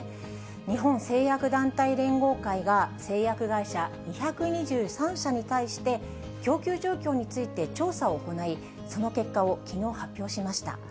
日本製薬団体連合会が、製薬会社２２３社に対して、供給状況について調査を行い、その結果をきのう、発表しました。